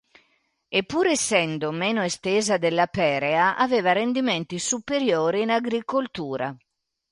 E pur essendo meno estesa della Perea aveva rendimenti superiori in agricoltura.